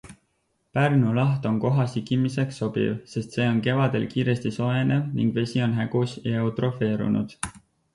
Pärnu laht on koha sigimiseks sobiv, sest see on kevadel kiiresti soojenev ning vesi on hägus ja eutrofeerunud.